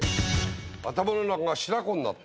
頭の中が白子になった。